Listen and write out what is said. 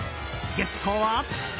ゲストは。